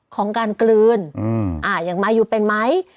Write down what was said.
ของการกลืนอย่างมายูเป็นไหม